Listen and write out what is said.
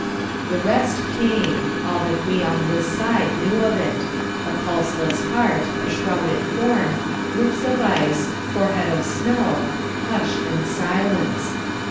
The rest came all that we on this side knew of it a pulseless heart, a shrouded form, lips of ice, forehead of snow, hush and silence.